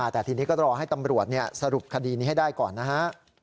แต่ทีนี้ก็รอให้ตำรวจสรุปคดีนี้ให้ได้ก่อนนะฮะ